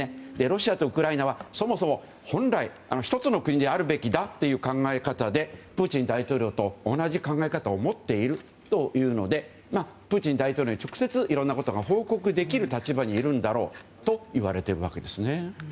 ロシアとウクライナはそもそも本来１つの国であるべきだという考え方でプーチン大統領と同じ考え方を持っているというのでプーチン大統領に直接いろんなことが報告できる立場にいるんだろうといわれているわけですね。